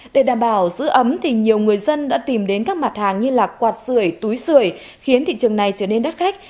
để đảm bảo giữ ấm thì nhiều người dân đã tìm đến các mặt hàng như quạt sửa túi sửa khiến thị trường này trở nên đắt khách